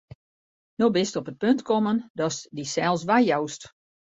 No bist op it punt kommen, datst dysels weijoust.